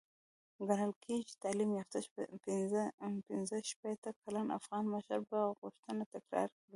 ګڼل کېږي چې تعليم يافته پنځه شپېته کلن افغان مشر به غوښتنه تکرار کړي.